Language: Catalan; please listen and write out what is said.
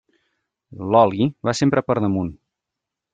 L'oli va sempre per damunt.